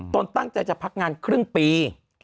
ตนตั้งใจจะพักงานครึ่งปี